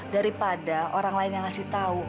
daripada orang lain yang ngasih tahu